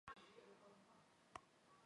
齐森命贪污的警长带消息回去给柏格。